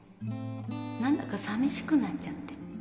何だかさみしくなっちゃって。